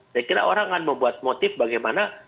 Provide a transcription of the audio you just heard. saya kira orang akan membuat motif bagaimana